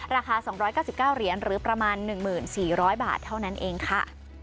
ราคา๒๙๙เหรียญหรือประมาณ๑๔๐๐บาทเท่านั้นเองค่ะ